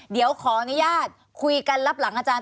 เดี๋ยวขออนุญาตคุยกันรับหลังอาจารย